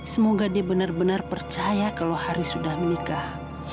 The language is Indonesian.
semoga dia benar benar percaya kalo haris sudah menikah